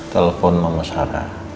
telepon mama sarah